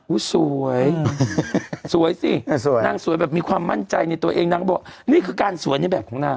สวยสวยสินางสวยแบบมีความมั่นใจในตัวเองนางก็บอกนี่คือการสวยในแบบของนาง